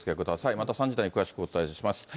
また３時台に詳しくお伝えいたします。